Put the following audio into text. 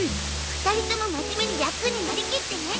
２人とも真面目に役になりきってね。